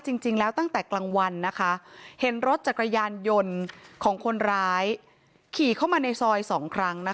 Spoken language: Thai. จริงแล้วตั้งแต่กลางวันนะคะเห็นรถจักรยานยนต์ของคนร้ายขี่เข้ามาในซอย๒ครั้งนะคะ